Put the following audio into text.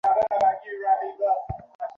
তবে মানুষ হিসেবে তোমাকে মজাই লাগে।